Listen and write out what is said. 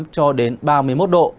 có nơi mưa rải rác